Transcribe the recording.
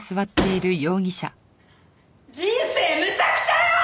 人生むちゃくちゃよ！